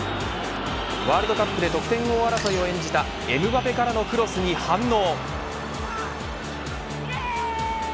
ワールドカップで得点王争いを演じたエムバペからのクロスに反応。